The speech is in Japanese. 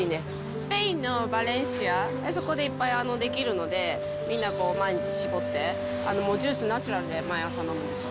スペインのバレンシア、そこでいっぱいできるので、みんな毎日搾って、ジュース、ナチュラルで毎朝飲むんですよ。